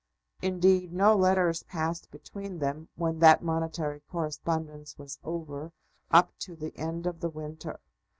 Indeed, no letters passed between them, when that monetary correspondence was over, up to the end of the winter.